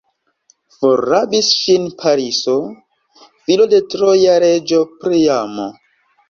Forrabis ŝin Pariso, filo de troja reĝo Priamo.